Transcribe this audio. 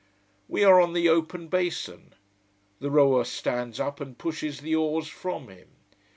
We are on the open basin. The rower stands up and pushes the oars from him.